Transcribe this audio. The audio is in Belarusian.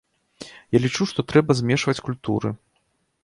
Я лічу, што трэба змешваць культуры.